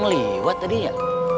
le santa radchika